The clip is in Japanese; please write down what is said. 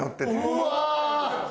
うわ！